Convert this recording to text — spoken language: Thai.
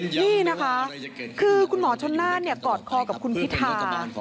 นี่นะคะคือคุณหมอชนน่านกอดคอกับคุณพิธา